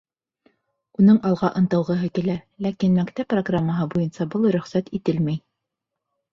Уның алға ынтылғыһы килә, ләкин мәктәп программаһы буйынса был рөхсәт ителмәй.